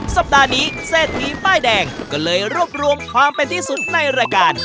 สัปดาห์นี้เศรษฐีป้ายแดงก็เลยรวบรวมความเป็นที่สุดในรายการ